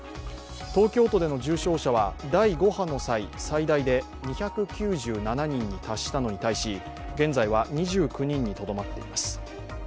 東京都での重症者は第５波の際、最大で２９７人に達したのに対し、現在は２９人にとどまっています。